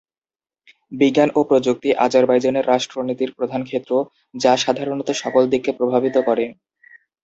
বিজ্ঞান ও প্রযুক্তি আজারবাইজানের রাষ্ট্র নীতির প্রধান ক্ষেত্র যা সাধারণত সকল দিককে প্রভাবিত করে।